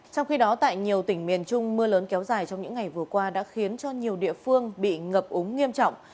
trong khi đó tại nhiều tỉnh miền trung mưa lớn kéo dài trong những ngày vừa qua đã khiến cho nhiều địa phương bị ngập úng nghiêm trọng